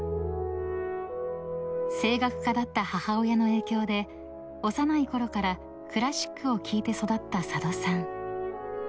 ［声楽家だった母親の影響で幼いころからクラシックを聴いて育った佐渡さん］